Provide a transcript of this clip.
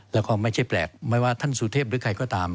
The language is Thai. แล้วก็ไม่ใช่แปลกไม่ว่าท่านสุเทพหรือใครก็ตาม